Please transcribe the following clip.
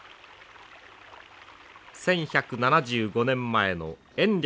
１，１７５年前の延暦